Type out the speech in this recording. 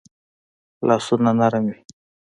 لاسونه نرم وي